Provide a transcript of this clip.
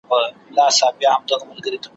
له پسه چي پیدا کیږي تل پسه وي `